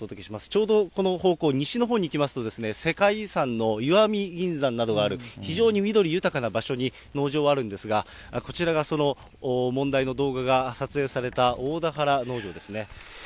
ちょうどこの方向、西のほうに行きますとですね、世界遺産の石見銀山などがある、非常に緑豊かな場所に農場はあるんですが、こちらがその問題の動画が撮影された大田原農場ですね。